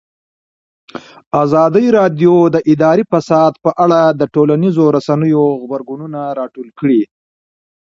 ازادي راډیو د اداري فساد په اړه د ټولنیزو رسنیو غبرګونونه راټول کړي.